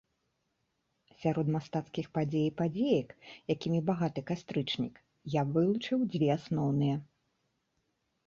Сярод мастацкіх падзей і падзеек, якімі багаты кастрычнік, я б вылучыў дзве асноўныя.